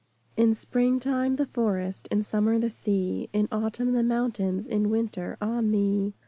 IN Spring time, the Forest, In Summer, the Sea, In Autumn, the Mountains, In Winter, ah me!